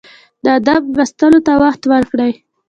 د ادب لوستلو ته وخت ورکړئ.